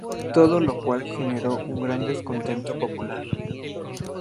Todo lo cual generó un gran descontento popular.